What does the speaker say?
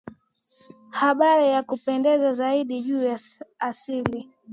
habari ya kupendeza zaidi juu ya asili